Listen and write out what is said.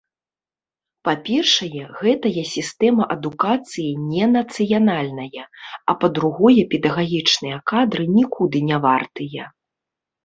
Па-першае, гэтая сістэма адукацыі ненацыянальная, а па-другое, педагагічныя кадры нікуды не вартыя.